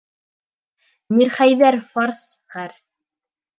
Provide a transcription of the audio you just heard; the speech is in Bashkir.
Мирхәйҙәр фарс., ғәр.